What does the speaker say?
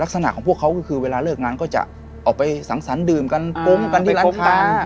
ของพวกเขาก็คือเวลาเลิกงานก็จะออกไปสังสรรคดื่มกันปุ๊งกันที่ร้านค้า